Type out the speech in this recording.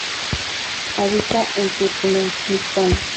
Habita en Turkmenistán.